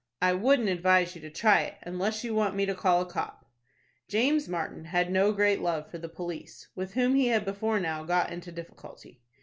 "I wouldn't advise you to try it, unless you want me to call a copp." James Martin had no great love for the police, with whom he had before now got into difficulty.